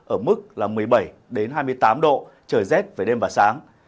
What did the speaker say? ở mức là một mươi bảy đến hai mươi tám độ trời rét về đêm và sáng